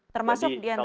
termasuk di antara